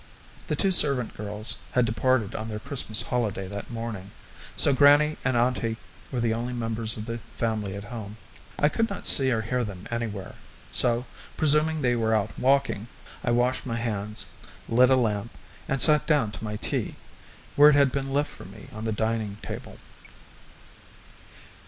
The two servant girls had departed on their Christmas holiday that morning, so grannie and auntie were the only members of the family at home. I could not see or hear them anywhere, so, presuming they were out walking, I washed my hands, lit a lamp, and sat down to my tea, where it had been left for me on the dining table.